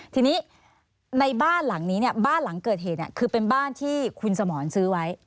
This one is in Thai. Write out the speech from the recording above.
ทีนี้ในบ้านหลังนี้เนี่ยบ้านหลังเกิดเหตุคือเป็นบ้านที่คุณสมรซื้อไว้